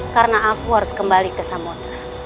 karena aku harus kembali ke samudera